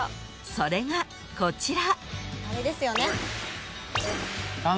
［それがこちら］